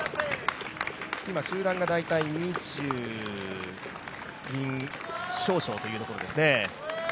今集団が大体２０人少々といったところですね。